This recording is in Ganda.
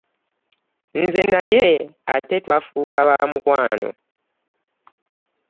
Nze naye ate twafuuka baamukwano.